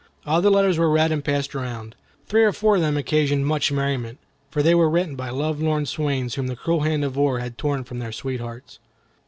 All the letters were read and passed around. Three or four of them occasioned much merriment, for they were written by love lorn swains whom the cruel hand of war had torn from their sweethearts.